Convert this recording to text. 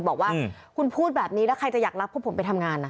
บอกว่าคุณพูดแบบนี้แล้วใครจะอยากรักพวกผมไปทำงาน